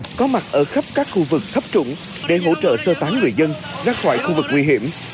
tàu diết có mặt ở khắp các khu vực khắp trụng để hỗ trợ sơ tán người dân ra khỏi khu vực nguy hiểm